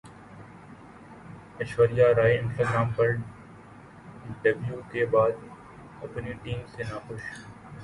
Aishwarya Rai Instagram پر debut کے بعد اپنی ٹیم سے ناخوش